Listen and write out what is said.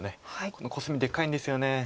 このコスミでっかいんですよね。